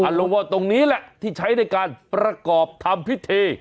ลงว่าตรงนี้แหละที่ใช้ในการประกอบทำพิธี